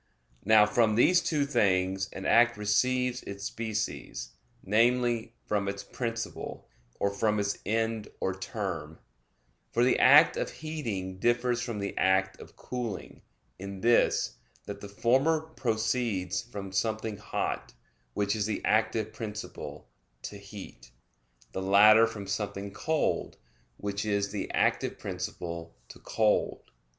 Now, from these two things an act receives its species, namely, from its principle, or from its end or term; for the act of heating differs from the act of cooling, in this, that the former proceeds from something hot, which is the active principle, to heat; the latter from something cold, which is the active principle, to cold.